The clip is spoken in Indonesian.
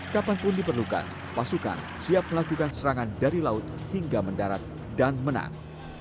kapanpun diperlukan pasukan siap melakukan serangan dari laut hingga mendarat dan menang